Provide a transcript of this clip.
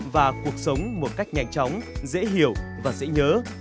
và cuộc sống một cách nhanh chóng dễ hiểu và dễ nhớ